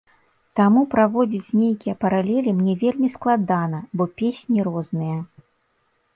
Таму праводзіць нейкія паралелі мне вельмі складана, бо песні розныя.